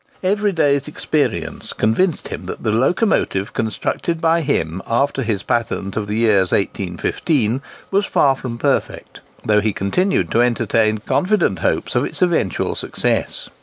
Every day's experience convinced him that the locomotive constructed by him after his patent of the year 1815, was far from perfect; though he continued to entertain confident hopes of its eventual success.